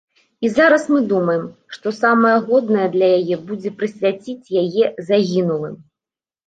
І зараз мы думаем, што самае годнае для яе будзе прысвяціць яе загінулым.